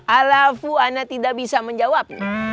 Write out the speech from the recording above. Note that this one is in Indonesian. alahu saya tidak bisa menjawab